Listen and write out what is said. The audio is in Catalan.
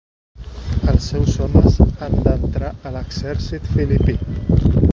Els seus homes han d'entrar a l'exèrcit filipí.